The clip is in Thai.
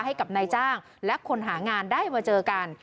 ให้กับนายจ้างและคนหางานได้มาเจอกัน